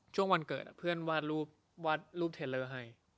ช่วงวันเกิดอะเพื่อนวาดรูปเทลเลอร์ให้